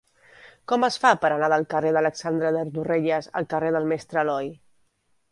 Com es fa per anar del carrer d'Alexandre de Torrelles al carrer del Mestre Aloi?